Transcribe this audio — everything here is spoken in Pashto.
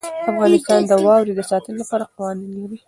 افغانستان د واوره د ساتنې لپاره قوانین لري.